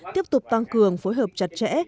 tiếp tục tăng cường phối hợp chặt chẽ